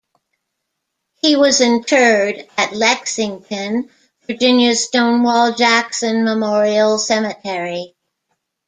He was interred at Lexington, Virginia's Stonewall Jackson Memorial Cemetery.